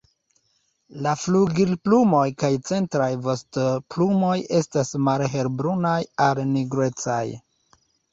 La flugilplumoj kaj centraj vostoplumoj estas malhelbrunaj al nigrecaj.